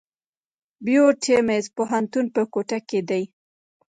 بيوټمز پوهنتون په کوټه کښي دی.